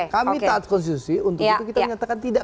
kami taat konstitusi untuk itu kita menyatakan tidak